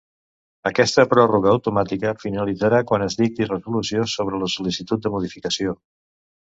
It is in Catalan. Aquesta pròrroga automàtica finalitzarà quan es dicti resolució sobre la sol·licitud de modificació.